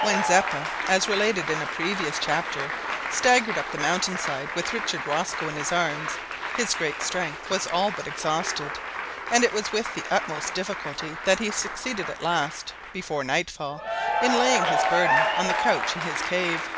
When Zeppa, as related in a previous chapter, staggered up the mountain side with Richard Rosco in his arms, his great strength was all but exhausted, and it was with the utmost difficulty that he succeeded at last, before night fall, in laying his burden on the couch in his cave.